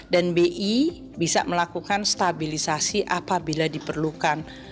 dan bi bisa melakukan stabilisasi apabila diperlukan